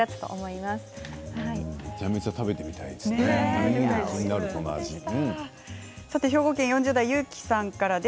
めちゃめちゃ食べてみたいです。